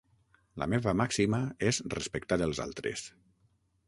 La meva màxima és respectar els altres.